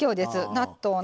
納豆の。